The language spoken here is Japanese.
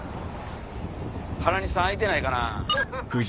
原西さん空いてないかな。